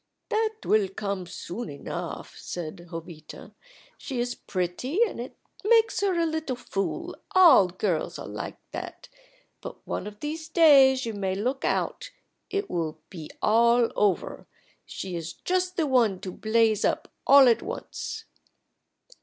"That will come soon enough," said Jovita. "She is pretty, and it makes her a little fool all girls are like that; but one of these days you may look out it will be all over. She is just the one to blaze up all at once."